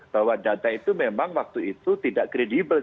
bahwa data itu memang waktu itu tidak kredibel